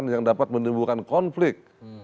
yang dapat menimbulkan konflik